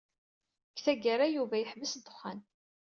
Deg tgara, Yuba yeḥbes ddexxan.